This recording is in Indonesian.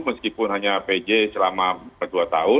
meskipun hanya pj selama dua tahun